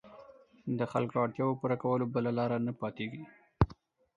د خلکو اړتیاوو پوره کولو بله لاره نه پاتېږي.